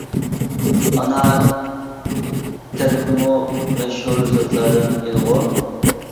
؟ ئانا تەرىپىمۇ مەشھۇر زاتلاردىن ئىدىغۇ!